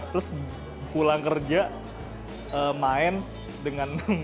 terus pulang kerja main dengan